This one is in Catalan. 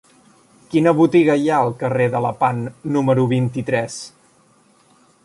Quina botiga hi ha al carrer de Lepant número vint-i-tres?